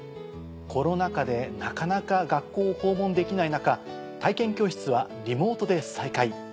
コロナ禍でなかなか学校を訪問できない中体験教室はリモートで再開。